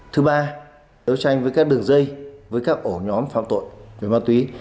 thứ ba đấu tranh với các đường dây với các ổ nhóm phạm tội về ma túy